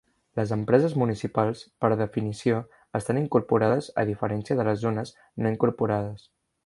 Les empreses municipals, per definició, estan incorporades, a diferència de les zones no incorporades.